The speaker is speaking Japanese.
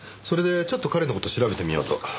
それでちょっと彼の事を調べてみようと。